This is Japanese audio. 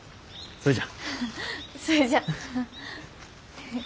それじゃ。